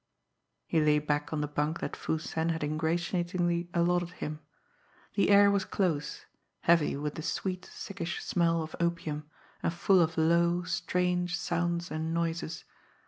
He lay back on the bunk that Foo Sen had ingratiatingly allotted him. The air was close, heavy with the sweet, sickish smell of opium, and full of low, strange sounds and noises.